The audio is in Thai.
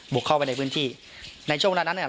เข้าไปในพื้นที่ในช่วงเวลานั้นเนี่ย